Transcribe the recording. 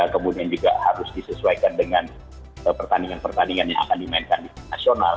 kemudian juga harus disesuaikan dengan pertandingan pertandingan yang akan dimainkan di nasional